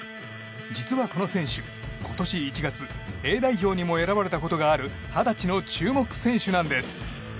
実はこの選手、今年１月Ａ代表にも選ばれたことがある二十歳の注目選手なんです。